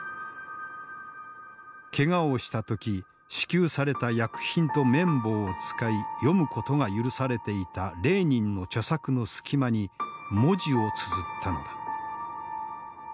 けがをした時支給された薬品と綿棒を使い読むことが許されていたレーニンの著作の隙間に文字をつづったのだ。